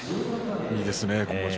いいですね、今場所。